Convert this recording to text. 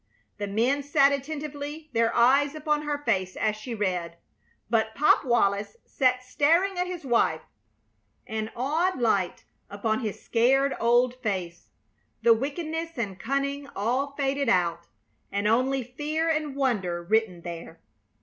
The men sat attentively, their eyes upon her face as she read; but Pop Wallis sat staring at his wife, an awed light upon his scared old face, the wickedness and cunning all faded out, and only fear and wonder written there.